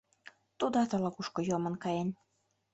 Тудат ала-кушко йомын каен.